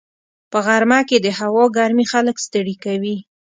په غرمه کې د هوا ګرمي خلک ستړي کوي